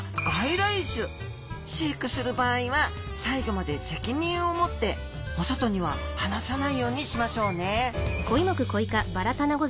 飼育する場合は最後まで責任を持ってお外には放さないようにしましょうね！